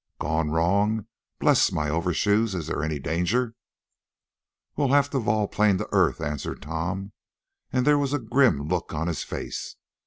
"Gone wrong! Bless my overshoes! Is there any danger?" "We'll have to vol plane to earth," answered Tom, and there was a grim look on his face.